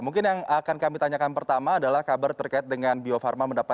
mungkin yang akan kami tanyakan pertama adalah kabar terkait dengan bio farma